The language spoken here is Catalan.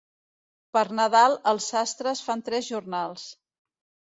Per Nadal els sastres fan tres jornals.